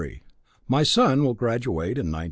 My son will graduate in 1955.